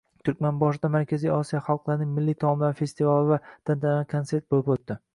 Turkmanboshida Markaziy Osiyo xalqlarining milliy taomlari festivali va tantanali konsert bo‘lib o‘tdi